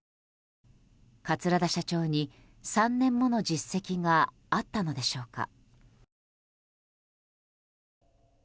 桂田社長に３年もの実績があったのでしょうか。